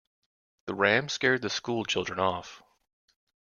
The ram scared the school children off.